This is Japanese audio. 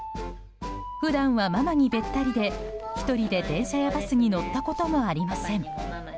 普段はママにべったりで１人で、電車やバスに乗ったこともありません。